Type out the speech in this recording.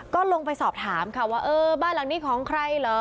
ก็ลงไปสอบถามค่ะว่าเออบ้านหลังนี้ของใครเหรอ